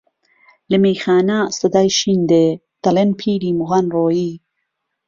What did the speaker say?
له مهیخانه سهدای شین دێ، دهڵێن پیری موغان رۆیی